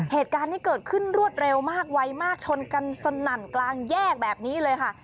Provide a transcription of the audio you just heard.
เหตุการณ์นี้เกิดขึ้นรวดเร็วมากไวมากชนกันสนั่นกลางแยกแบบนี้เลยค่ะ